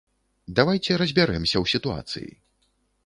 Давайце разбярэмся ў сітуацыі.